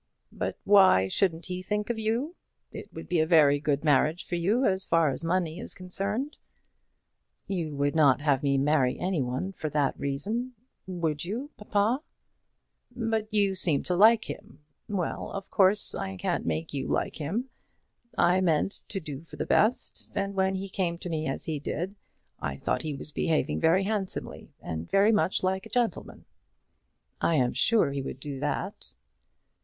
"But why shouldn't he think of you? It would be a very good marriage for you, as far as money is concerned." "You would not have me marry any one for that reason; would you, papa?" "But you seemed to like him. Well; of course I can't make you like him. I meant to do for the best; and when he came to me as he did, I thought he was behaving very handsomely, and very much like a gentleman." "I am sure he would do that."